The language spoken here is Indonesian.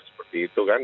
seperti itu kan